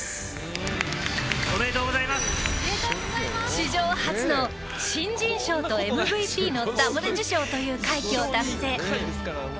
史上初の、新人賞とＭＶＰのダブル受賞という快挙を達成。